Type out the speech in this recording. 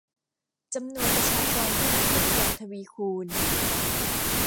จำนวนประชากรเพิ่มขึ้นอย่างทวีคูณ